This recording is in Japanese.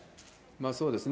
そうですね。